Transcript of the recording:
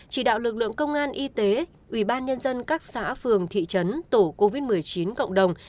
chỉ đạo lực lượng công an y tế ubnd các xã phường thị trấn tổ covid một mươi chín cộng đồng